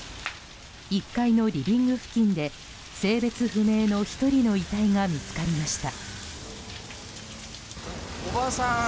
１階のリビング付近で性別不明の１人の遺体が見つかりました。